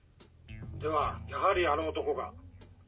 ではやはりあの男が。